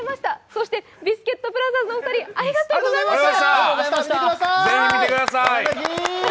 そしてビスケットブラザーズのお二人、ありがとうございました。